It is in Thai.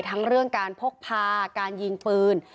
ทั้งเรื่องการพกพาการยิงปืน